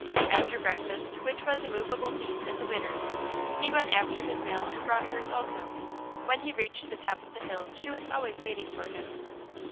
After breakfast, which was a movable feast at the "Widder's," he went after his mail and brought hers also. When he reached the top of the hill, she was always waiting for him.